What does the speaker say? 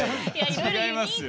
違いますよ。